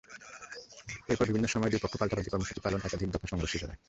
এরপর বিভিন্ন সময়ে দুই পক্ষ পাল্টাপাল্টি কর্মসূচি পালন, একাধিক দফা সংঘর্ষে জড়ায়।